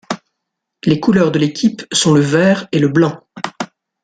Les couleurs de l'équipe sont le vert et le blanc.